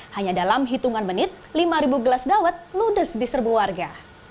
hanya dalam hitungan menit lima gelas dawet ludes di serbu warga